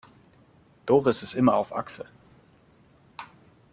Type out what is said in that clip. Doris ist immer auf Achse.